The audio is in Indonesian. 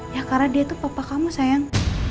ya karena dia tuh papa kamu sayang